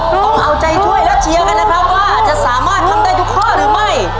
ต้องเอาใจช่วยและเชียร์กันนะครับว่าจะสามารถทำได้ทุกข้อหรือไม่